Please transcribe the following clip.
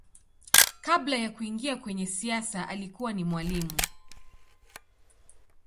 Kabla ya kuingia kwenye siasa alikuwa ni mwalimu.